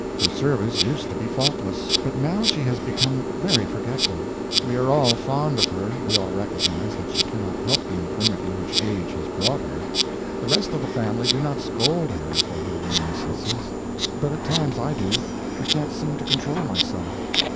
Her service used to be faultless, but now she has become very forgetful. We are all fond of her; we all recognize that she cannot help the infirmity which age has brought her; the rest of the family do not scold her for her remissnesses, but at times I do—I can't seem to control myself.